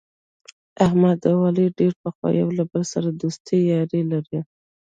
احمد او علي ډېر پخوا یو له بل سره دوستي یاري لري.